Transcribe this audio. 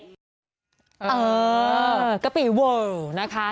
เออกะปิโว้ยนะคะ